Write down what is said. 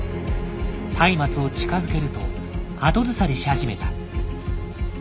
たいまつを近づけると後ずさりし始めた。